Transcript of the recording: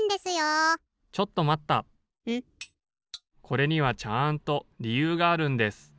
・これにはちゃんとりゆうがあるんです。